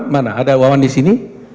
mana ada wawan di sini